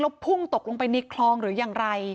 และพุ่งตกลงไปในคลองหรือยังไร